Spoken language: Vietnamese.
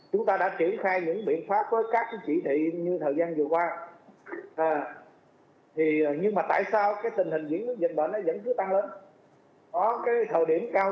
chúng ta đã triển khai những biện pháp với các chỉ thị như thời gian vừa qua